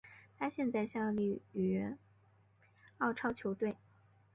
他现在效力于澳超球队纽卡素喷射机。